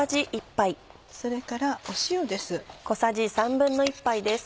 それから塩です。